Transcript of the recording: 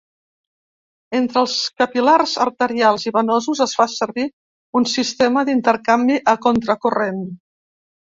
Entre els capil·lars arterials i venosos es fa servir un sistema d'intercanvi a contracorrent.